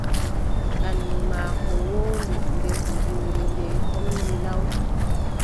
Banndu maako woondu, nde huuduure ndee hommbi law.